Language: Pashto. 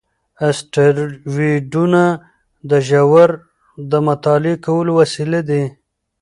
اسټروېډونه د ژوند د مطالعه کولو وسیله دي.